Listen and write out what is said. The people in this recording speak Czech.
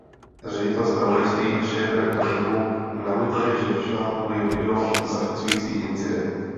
Ředitel zpravodajství a šéfredaktor webu namítali, že v článku je video zachycující incident.